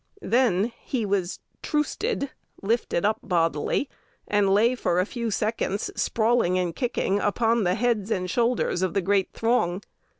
Then he was "troosted," lifted up bodily, and lay for a few seconds sprawling and kicking upon the heads and shoulders of the great throng.